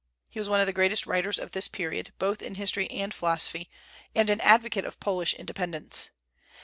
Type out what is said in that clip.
He was one of the greatest writers of this period, both in history and philosophy, and an advocate of Polish independence.